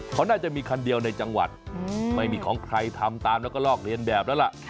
เขาน่าจะมีคันเดียวในจังหวัดไม่มีของใครทำตามแล้วก็ลอกเรียนแบบแล้วล่ะ